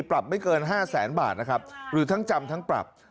ปรับไม่เกิน๕แสนบาทนะครับหรือทั้งจำทั้งปรับ